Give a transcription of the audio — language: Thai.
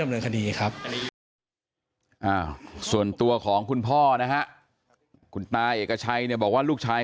หรือว่าในเรื่องนี้มันสามารถยอมทำกันได้